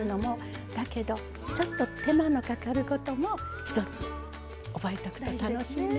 だけどちょっと手間のかかることもひとつ覚えておくと楽しいね。